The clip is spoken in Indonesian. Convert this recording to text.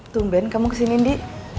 tunggu ben kamu kesini ndi